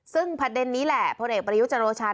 ซึ่งประเด็นนี้แหละพลเอกประยุจโรชา